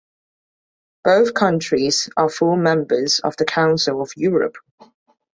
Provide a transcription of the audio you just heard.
Both countries are full members of the Council of Europe.